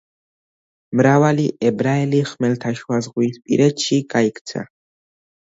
მრავალი ებრაელი ხმელთაშუაზღვისპირეთში გაიქცა.